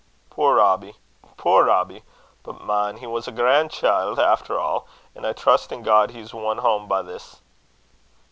Puir Robbie! puir Robbie! But, man, he was a gran' chield efter a'; an' I trust in God he's won hame by this!"